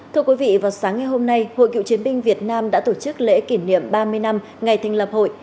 thưa quý vị vào sáng ngày hôm nay hội cựu chiến binh việt nam đã tổ chức lễ kỷ niệm ba mươi năm ngày thành lập hội